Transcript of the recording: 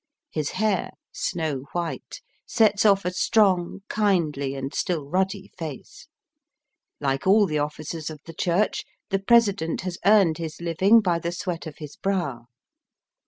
His hair, snow white, sets off a strong, kindly, and still ruddy face. Like all the officers of the Church, the President has earned his living by the sweat of his brow.